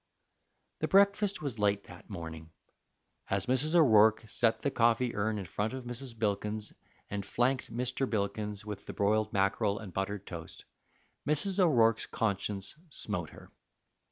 The breakfast was late that morning. As Mrs. O'Rourke set the coffee urn in front of Mrs. Bilkins and flanked Mr. Bilkins with the broiled mackerel and buttered toast, Mrs. O'Rourke's conscience smote her.